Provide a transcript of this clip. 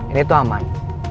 ini tuh aman